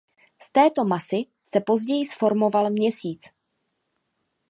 Z této masy se později zformoval Měsíc.